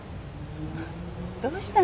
どうしたの？